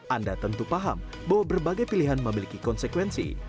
anda tentu paham bahwa berbagai pilihan memiliki konsekuensi